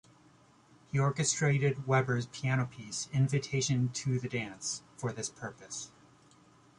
He orchestrated Weber's piano piece "Invitation to the Dance" for this purpose.